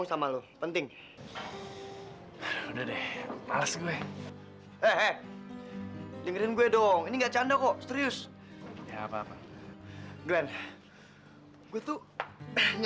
sampai jumpa di video selanjutnya